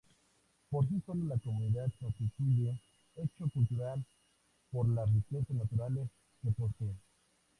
Por sí solo la comunidad constituye hecho cultural por las riquezas naturales que posee.